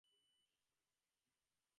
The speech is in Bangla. তিনি প্রথম মেয়েটির মুখে হাসি দেখলেন।